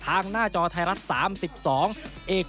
เตรียมป้องกันแชมป์ที่ไทยรัฐไฟล์นี้โดยเฉพาะ